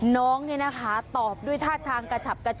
น้องเนี่ยนะคะตอบด้วยท่าทางกระเฉบ